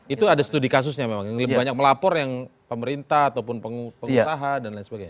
itu ada studi kasusnya memang yang lebih banyak melapor yang pemerintah ataupun pengusaha dan lain sebagainya